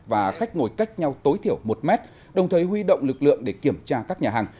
và khách ngồi cách nhau tối thiểu một mét đồng thời huy động lực lượng để kiểm tra các nhà hàng